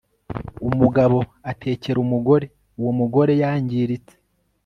umugabo atekera umugore? uwo mugore, yangiritse